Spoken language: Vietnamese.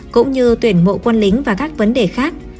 cũng như tuyển mộ quân lính và các vấn đề khác